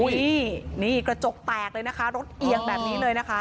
นี่นี่กระจกแตกเลยนะคะรถเอียงแบบนี้เลยนะคะ